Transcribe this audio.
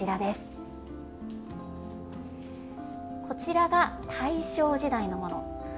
こちらが大正時代のもの。